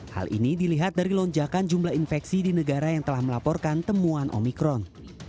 hal ini dilihat dari lonjakan jumlah infeksi di negara yang telah melaporkan temuan omikron